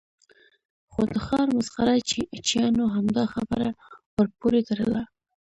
خو د ښار مسخره چیانو همدا خبره ور پورې تړله.